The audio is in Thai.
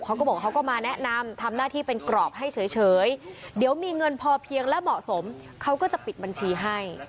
เขาก็บอกเขาก็มาแนะนำทำหน้าที่เป็นกรอบให้เฉยเดี๋ยวมีเงินพอเพียงและเหมาะสมเขาก็จะปิดบัญชีให้